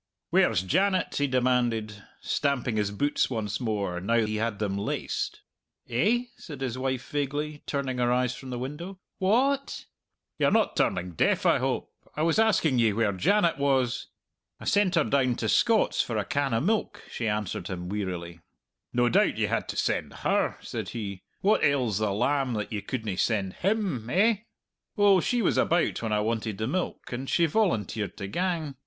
"Where's Janet?" he demanded, stamping his boots once more, now he had them laced. "Eh?" said his wife vaguely, turning her eyes from the window. "Wha at?" "Ye're not turning deaf, I hope. I was asking ye where Janet was." "I sent her down to Scott's for a can o' milk," she answered him wearily. "No doubt ye had to send her," said he. "What ails the lamb that ye couldna send him eh?" "Oh, she was about when I wanted the milk, and she volunteered to gang.